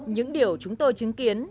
những điều chúng tôi chứng kiến